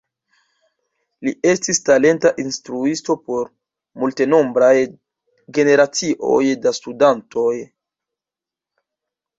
Li estis talenta instruisto por multenombraj generacioj da studantoj.